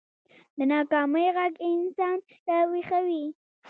د ناکامۍ غږ انسان راويښوي